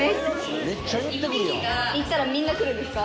・１匹が・行ったらみんな来るんですか？